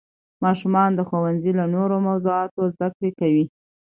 ماشومان د ښوونځي له نوې موضوعاتو زده کړه کوي